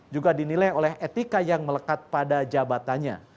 juga dinilai oleh etika yang melekat pada jabatannya